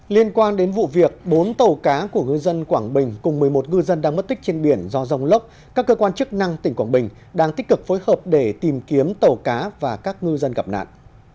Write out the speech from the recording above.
liên quan đến vụ việc bốn tàu cá của ngư dân quảng bình cùng một mươi một ngư dân đang mất tích trên biển do rông lốc các cơ quan chức năng tỉnh quảng bình đang tích cực phối hợp để tìm kiếm tàu cá và các ngư dân gặp nạn